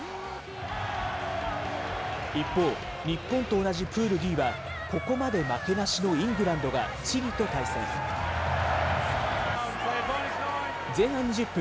一方、日本と同じプールＤは、ここまで負けなしのイングランドがチリと対戦。前半２０分。